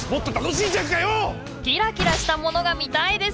キラキラしたものが見たいです！